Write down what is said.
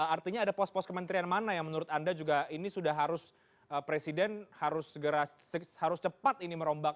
artinya ada pos pos kementerian mana yang menurut anda juga ini sudah harus presiden harus cepat ini merombak